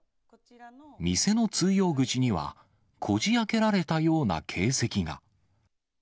店の通用口には、こじあけられたような形跡が。